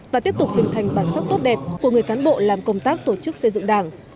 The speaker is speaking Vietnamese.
và tiếp tục hình thành bản sắc tốt đẹp của người cán bộ làm công tác tổ chức xây dựng đảng